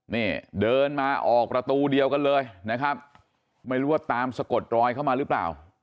นี่เดินมาออกประตูเดียวกันเลยนะครับไม่รู้ว่าตามสะกดรอยเข้ามาหรือเปล่า